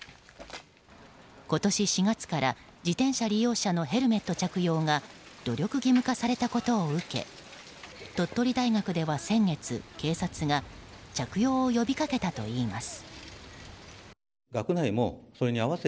今年４月から自転車利用者のヘルメット着用が努力義務化されたことを受け鳥取大学では先月、警察が着用を呼びかけたといいます。